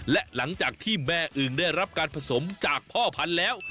และหลังจากที่แม่อึงได้รับการผสมจากพ่อพันธุ์แล้ว